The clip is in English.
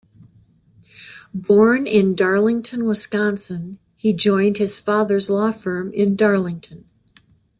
Born in Darlington, Wisconsin, he joined his father's law firm in Darlington.